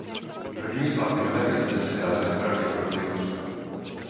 První platinové mince se razily pravděpodobně v Rusku.